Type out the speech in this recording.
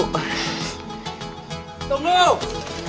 tunggu tunggu pak